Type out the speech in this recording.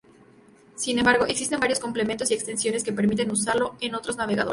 Sin embargo, existen varios complementos y extensiones que permiten usarlo en otros navegadores.